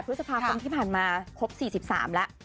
พฤษภาคมที่ผ่านมาครบ๔๓แล้ว